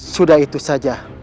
sudah itu saja